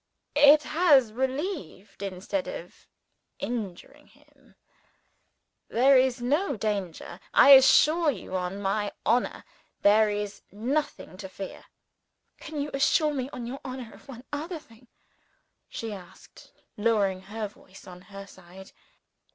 It has relieved instead of injuring him. There is no danger. I assure you, on my honor, there is nothing to fear." "Can you assure me, on your honor, of one other thing," she asked, lowering her voice on her side.